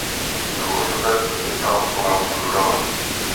Důl Josef se stal pomocným dolem.